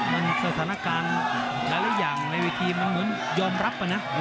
มันสถานการณ์และอีกอย่างในวิธีมันเหมือนยอมรับ